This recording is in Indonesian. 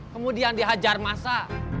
kemudian dihajar masa